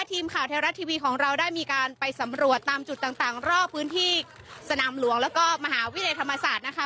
ทีมข่าวไทยรัฐทีวีของเราได้มีการไปสำรวจตามจุดต่างรอบพื้นที่สนามหลวงแล้วก็มหาวิทยาลัยธรรมศาสตร์นะคะ